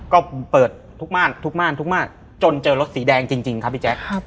ก็เปิดทุกม่านทุกม่านทุกม่านจนเจอรถสีแดงจริงครับพี่แจ๊ค